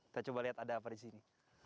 kita coba lihat ada apa di sini